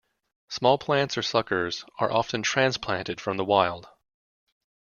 Small plants or suckers are often transplanted from the wild.